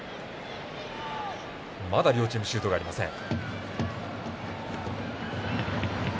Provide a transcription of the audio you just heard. まだ両チームシュートがありません。